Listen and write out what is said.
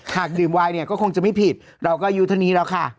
หากดื่มไวน์เนี่ยก็คงจะไม่ผิดเราก็อายุเท่านี้แล้วค่ะ